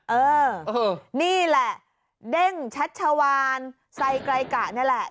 เออนี่แหละเด้งชัชวานไซไกรกะนี่แหละ